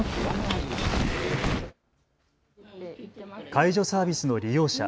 介助サービスの利用者